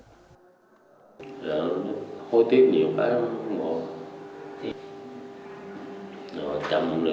hôi tiếc nhiều quá không bỏ